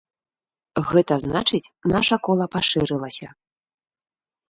Гэта значыць, наша кола пашырылася.